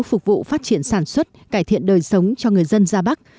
phục vụ phát triển sản xuất cải thiện đời sống cho người dân gia bắc